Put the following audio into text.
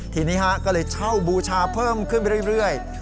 ทีนี้ก็เลยเช่าบูชาเพิ่มขึ้นไปเรื่อย